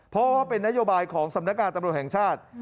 เพราะว่าเป็นนโยบายของสำนักงานตำรวจแห่งชาติ